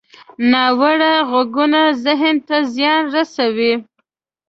ناوړه غږونه ذهن ته زیان رسوي